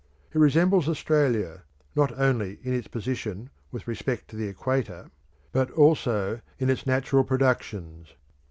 It resembles Australia, not only in its position with respect to the Equator, but also in its natural productions.